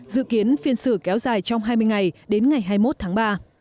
dự kiến phiên xử kéo dài trong hai mươi ngày đến ngày hai mươi một tháng ba